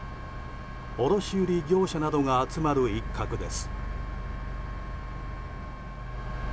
卸売業者などが集まる一角です。